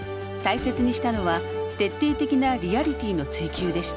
大切にしたのは徹底的なリアリティーの追求でした。